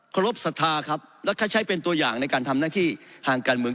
ขอรบศรัทธาครับแล้วก็ใช้เป็นตัวอย่างในการทำหน้าที่ทางการเมือง